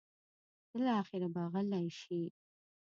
بالاخره به غلې شي.